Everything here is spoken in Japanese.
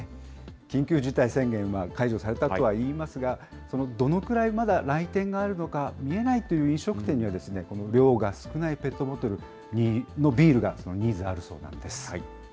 緊急事態宣言は解除されたとは言いますが、どのくらいまだ来店があるのか、見えないという飲食店には、この量が少ないペットボトルのビールが、ニーズがあるそうなんです。